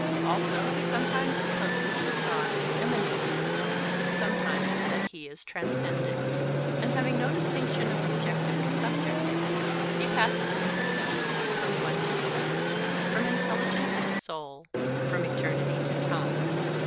Also he sometimes supposes that God is immanent in the world, sometimes that he is transcendent. And having no distinction of objective and subjective, he passes imperceptibly from one to the other; from intelligence to soul, from eternity to time.